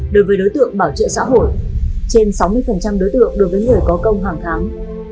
đối với đối tượng bảo trợ xã hội trên sáu mươi đối tượng đối với người có công hàng tháng